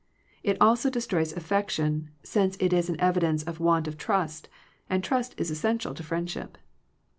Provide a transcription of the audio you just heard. It also destroys af fection, since it is an evidence of want of trust, and trust is essential to friendship.